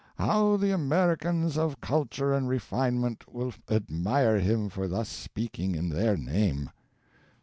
How the Americans of culture and refinement will admire him for thus speaking in their name!